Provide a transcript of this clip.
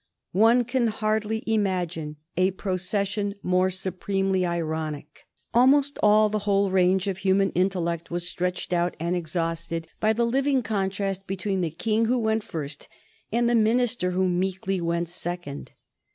One can hardly imagine a procession more supremely ironic. Almost all the whole range of human intellect was stretched out and exhausted by the living contrast between the King who went first and the Minister who meekly went second.